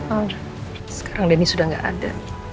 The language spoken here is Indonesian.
oh sekarang denny sudah gak ada